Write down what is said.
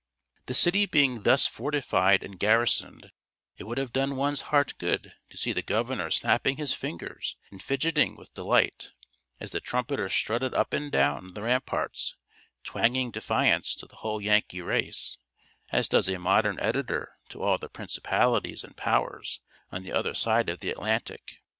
The city being thus fortified and garrisoned, it would have done one's heart good to see the governor snapping his fingers and fidgeting with delight, as the trumpeter strutted up and down the ramparts twanging defiance to the whole Yankee race, as does a modern editor to all the principalities and powers on the other side of the Atlantic.